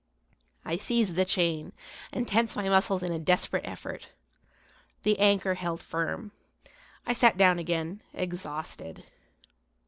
I seized the chain and tensed my muscles in a desperate effort. The anchor held firm. I sat down again, exhausted.